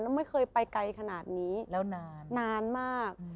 แล้วไม่เคยไปไกลขนาดนี้แล้วนานนานมาก